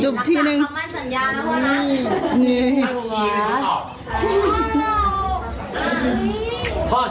จบทีหนึ่งรักษาของมันสัญญานะพ่อนะนี่ขี้มันต้องออก